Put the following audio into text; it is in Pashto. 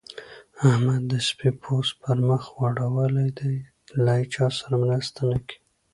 احمد د سپي پوست پر مخ غوړول دی؛ له هيچا سره مرسته نه کوي.